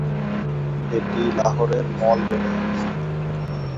এটি লাহোরের মল রোডে অবস্থিত।